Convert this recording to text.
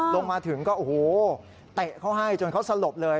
ลงมาถึงก็โอ้โหเตะเขาให้จนเขาสลบเลย